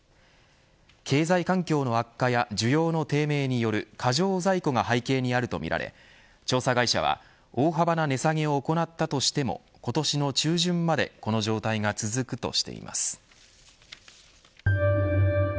経済環境の悪化や需要の低迷による過剰在庫が背景にあるとみられ調査会社は大幅な値下げを行ったとしても今年の中旬までこの状態が続くとしています。